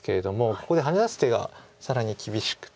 ここでハネ出す手が更に厳しくて。